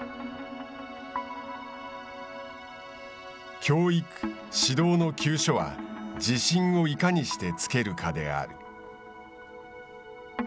教育・指導の急所は自信をいかにしてつけるかである。